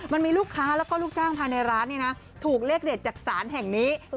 มันมีลูกค้าแล้วก็ลูกจ้างภายในร้านถูกเลขเด็ดจากศาลแห่งนี้